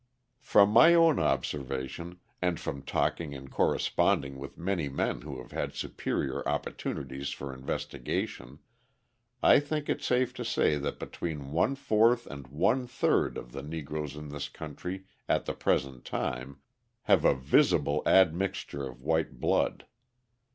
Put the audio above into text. From my own observation, and from talking and corresponding with many men who have had superior opportunities for investigation, I think it safe to say that between one fourth and one third of the Negroes in this country at the present time have a visible admixture of white blood.